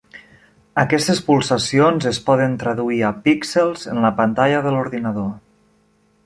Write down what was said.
Aquestes pulsacions es poden traduir a "píxels" en la pantalla de l'ordinador.